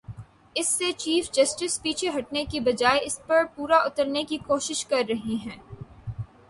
اس سے chief justice پیچھے ہٹنے کی بجائے اس پر پورا اترنے کی کوشش کر رہے ہیں۔